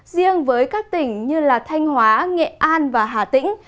riêng với các tỉnh như thanh hóa nghệ an và hà tĩnh